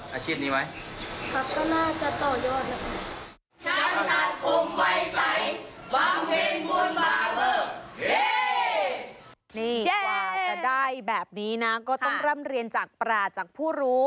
ว่าจะได้แบบนี้นะก็ต้องเริ่มเรียนจากปราคุณจากผู้รู้